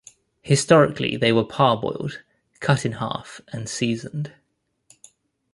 Historically they were parboiled, cut in half, and seasoned.